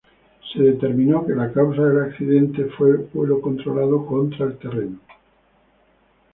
Se determino que la causa del accidente fue vuelo controlado contra el terreno.